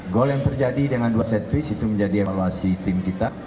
gol yang terjadi dengan dua setfis itu menjadi evaluasi tim kita